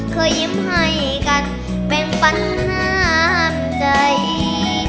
เคยยิ้มให้กันเป็นปัญหาใจ